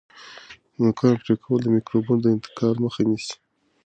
د نوکانو پرې کول د میکروبونو د انتقال مخه نیسي.